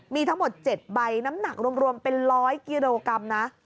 มีทั้งหมด๗ใบน้ำหนักรวมเป็น๑๐๐กิโลกรัมนะ